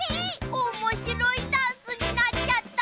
おもしろいダンスになっちゃった。